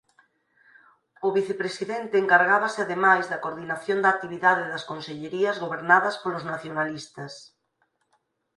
O vicepresidente encargábase ademais da coordinación da actividade das consellerías gobernadas polos nacionalistas.